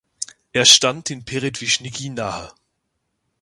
Er stand den Peredwischniki nahe.